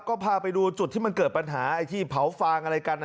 ก็พาไปดูจุดที่มันเกิดปัญหาไอ้ที่เผาฟางอะไรกัน